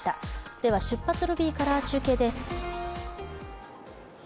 では、出発ロビーから中継です。